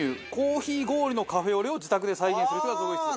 コーヒー氷のカフェオレを自宅で再現する人が続出。